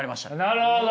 なるほど。